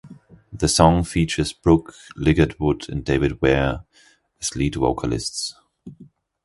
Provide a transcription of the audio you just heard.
The song features Brooke Ligertwood and David Ware as lead vocalists.